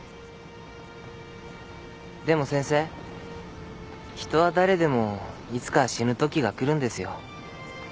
でも先生人は誰でもいつか死ぬときがくるんですよ。